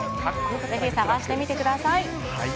ぜひ探してみてください。